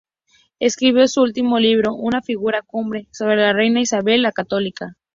Escribió su último libro, "Una figura cumbre", sobre la reina Isabel la Católica.